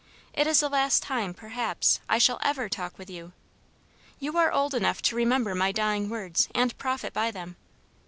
It is the last time, perhaps, I shall EVER talk with you. You are old enough to remember my dying words and profit by them.